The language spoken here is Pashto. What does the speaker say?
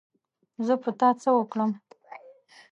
زه په تا څه وکړم